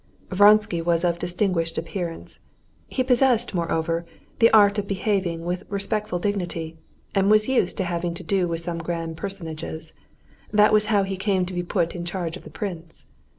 Vronsky was of distinguished appearance; he possessed, moreover, the art of behaving with respectful dignity, and was used to having to do with such grand personages—that was how he came to be put in charge of the prince.